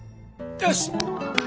よし！